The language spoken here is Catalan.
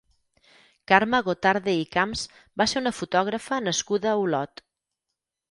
Carme Gotarde i Camps va ser una fotògrafa nascuda a Olot.